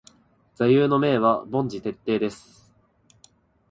座右の銘は凡事徹底です。